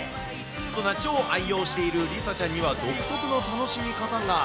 そんな超愛用している梨紗ちゃんには独特の楽しみ方が。